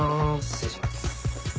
失礼します。